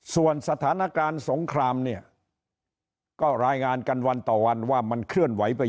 ส่วนสถานการณ์สงครามเนี่ยก็รายงานกันวันต่อวันว่ามันเคลื่อนไหวไป